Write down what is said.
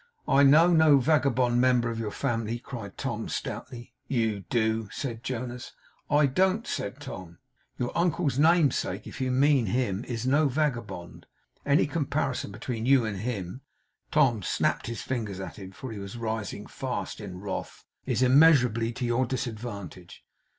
'I know no vagabond member of your family,' cried Tom, stoutly. 'You do!' said Jonas. 'I don't,' said Tom. 'Your uncle's namesake, if you mean him, is no vagabond. Any comparison between you and him' Tom snapped his fingers at him, for he was rising fast in wrath 'is immeasurably to your disadvantage.